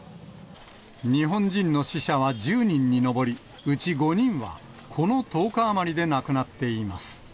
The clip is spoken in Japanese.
日本人の死者は１０人に上り、うち５人はこの１０日余りで亡くなっています。